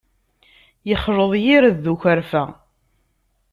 Yexleḍ yired d ukerfa.